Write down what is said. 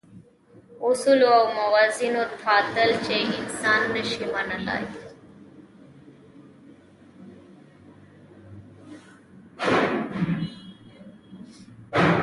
اصولو او موازینو تعدیل چې انسان نه شي منلای.